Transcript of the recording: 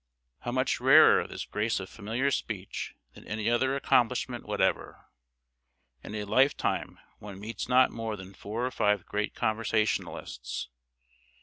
How much rarer this grace of familiar speech than any other accomplishment whatever! In a lifetime one meets not more than four or five great conversationalists.